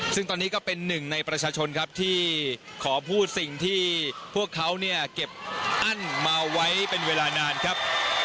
ซึ่งตอนนี้ก็เป็นหนึ่งในประชาชนครับที่ขอพูดสิ่งที่พวกเขาเนี่ยเก็บอั้นมาไว้เป็นเวลานานครับ